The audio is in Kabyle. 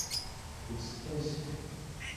Yettsetḥi meskin.